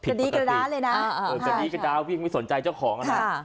จะดีกันแล้วเลยนะเออจะดีกันแล้วว่าพี่ยังไม่สนใจเจ้าของนะค่ะ